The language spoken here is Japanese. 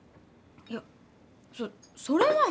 いやそそれは。